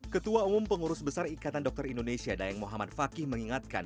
ketua umum pengurus besar ikatan dokter indonesia dayang muhammad fakih mengingatkan